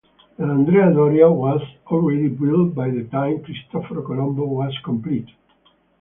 The "Andrea Doria" was already built by the time "Cristoforo Colombo" was completed.